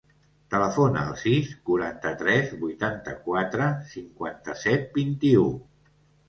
Telefona al sis, quaranta-tres, vuitanta-quatre, cinquanta-set, vint-i-u.